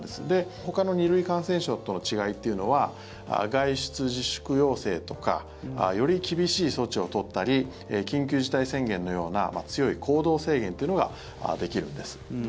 ほかの２類感染症との違いっていうのは外出自粛要請とかより厳しい措置を取ったり緊急事態宣言のような強い行動制限というのができるんです。